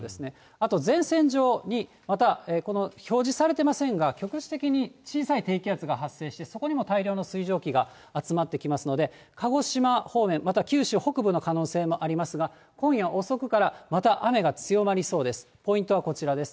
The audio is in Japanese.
あと、前線上にまたこの表示されてませんが、局地的に小さい低気圧が発生して、そこにも大量の水蒸気が集まってきますので、鹿児島方面、また九州北部の可能性もありますが、今夜遅くからまた雨が強まりそうです。